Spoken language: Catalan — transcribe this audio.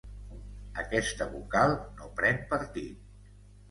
Aquesta vocal no pren partit.